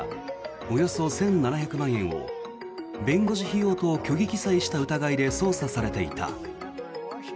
およそ１７００万円を弁護士費用と虚偽記載した疑いで捜査されていた。